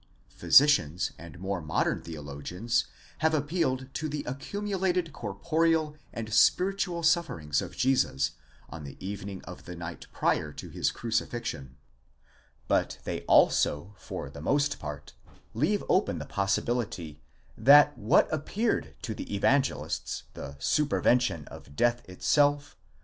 physicians and more modern theologians have appealed to the accumulated corporeal and spiritual sufferings of Jesus on the evening of the night prior to his crucifixion ;* but they also for the most part leave open the possibility that what appeared to the Evangelists the supervention of death itself, was 1 The instances are collected in Paulus, exeg. Handb., 3, b. 5. 781 ff.